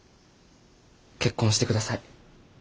結婚してください。